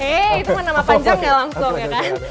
hei itu mah nama panjang ya langsung ya kan